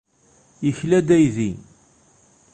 Yekla-d aydi.